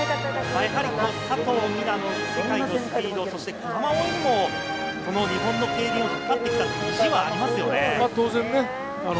佐藤水菜の世界のスピード、児玉碧衣にもこの日本の競輪を引っ張ってきたという自信はありますよね。